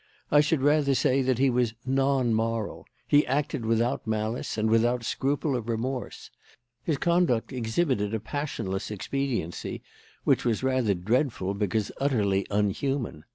"I should rather say that he was non moral. He acted without malice and without scruple or remorse. His conduct exhibited a passionless expediency which was rather dreadful because utterly unhuman.